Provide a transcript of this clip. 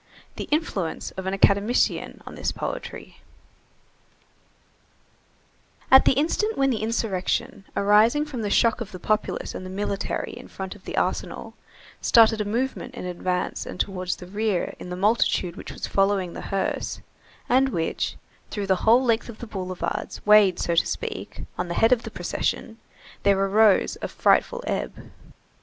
THE INFLUENCE OF AN ACADEMICIAN ON THIS POETRY At the instant when the insurrection, arising from the shock of the populace and the military in front of the Arsenal, started a movement in advance and towards the rear in the multitude which was following the hearse and which, through the whole length of the boulevards, weighed, so to speak, on the head of the procession, there arose a frightful ebb.